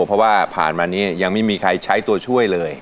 เพราะว่าผ่านมานี้ยังไม่มีใครใช้ตัวช่วยเลย